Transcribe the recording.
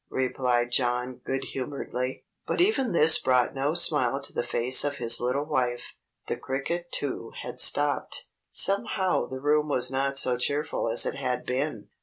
replied John good humoredly. But even this brought no smile to the face of his little wife. The cricket, too, had stopped. Somehow the room was not so cheerful as it had been.